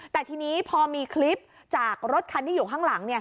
แต่ทีนี้พอมีคลิปจากรถคันที่อยู่ข้างหลัง